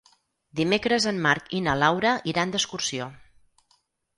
Dimecres en Marc i na Laura iran d'excursió.